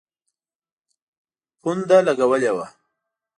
پونډه لګولي وه.